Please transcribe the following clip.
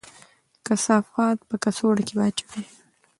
کثافات په کڅوړه کې واچوئ.